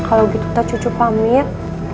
kalau gitu teh cucu pamit